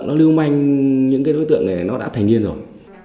nó lưu manh những cái đối tượng này nó đã thành niên rồi